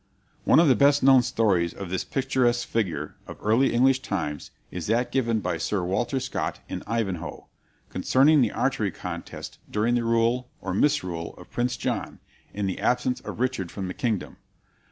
One of the best known stories of this picturesque figure of early English times is that given by Sir Walter Scott in "Ivanhoe," concerning the archery contest during the rule or misrule of Prince John, in the absence of Richard from the kingdom.